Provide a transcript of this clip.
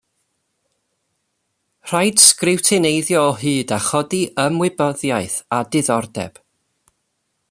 Rhaid sgriwtineiddio o hyd a chodi ymwybyddiaeth a diddordeb.